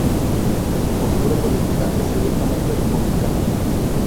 Su postura política es abiertamente republicana.